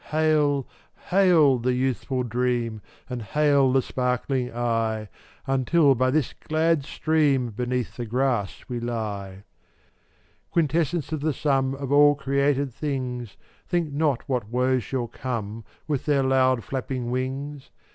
Hail! Hail! the youthful dream, And hail the sparkling eye, Until by this glad stream Beneath the grass we lie. 415 Quintessence of the sum Of all created things, Think not what woes shall come With their loud flapping wings.